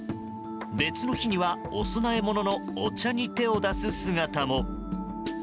別の日にはお供え物のお茶に手を出す姿も。